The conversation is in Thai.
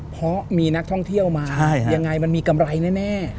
เพราะมีนักท่องเที่ยวมายังไงมันมีกำไรแน่